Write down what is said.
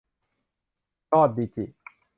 พรอดดิจิ